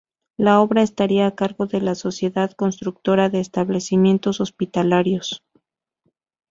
La obra estaría a cargo de la Sociedad Constructora de Establecimientos Hospitalarios.